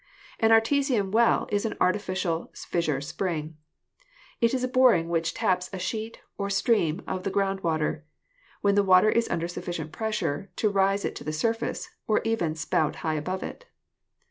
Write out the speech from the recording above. An artesian well is an artificial fissure spring. It is a boring which taps a sheet or stream of the ground water, when the water is under sufficient pressure to rise to the surface or even spout high above it.